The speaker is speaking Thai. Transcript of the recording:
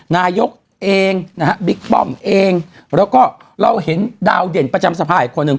นายกเองนะฮะบิ๊กป้อมเองแล้วก็เราเห็นดาวเด่นประจำสภาอีกคนหนึ่ง